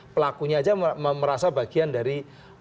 pelakunya aja merasa bagian dari